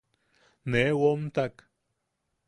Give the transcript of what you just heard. Nee womtak.